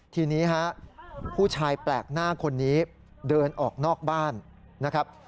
ทีนี้ฮะผู้ชายแปลกหน้าคนนี้เดินออกนอกบ้านนะครับ